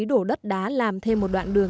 đổ đất đá làm thêm một đoạn đường